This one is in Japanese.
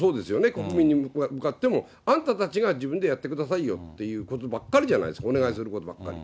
国民に向かっても、あんたたちが自分でやってくださいよっていうことばっかりじゃないですか、お願いすることばっかり。